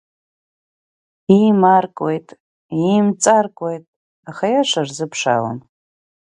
Еимаркуеит, еимҵаркуеит, аха аиаша рзыԥшаауам.